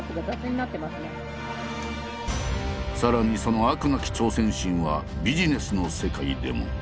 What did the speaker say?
さらにその飽くなき挑戦心はビジネスの世界でも。